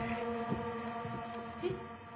えっ？